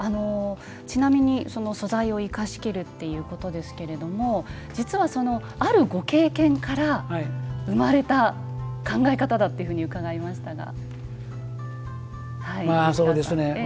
ちなみに素材を生かしきるということですけれども実は、あるご経験から生まれた考え方だと伺いましたが。